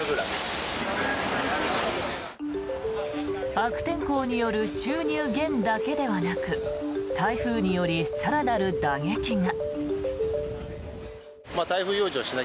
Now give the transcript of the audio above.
悪天候による収入減だけではなく台風により更なる打撃が。